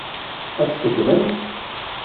Ad tt-teddmem?